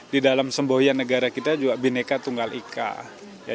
di dalam semboyan negara kita juga bineka tunggal ika